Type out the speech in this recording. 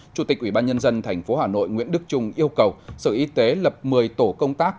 chủ tịch ủy ban nhân dân thành phố hà nội nguyễn đức trung yêu cầu sự y tế lập một mươi tổ công tác